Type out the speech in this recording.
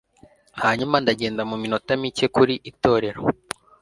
hanyuma ndagenda muminota mike kuriitorero